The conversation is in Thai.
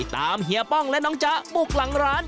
เฮียป้องและน้องจ๊ะบุกหลังร้าน